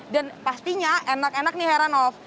dan pastinya enak enak nih heranov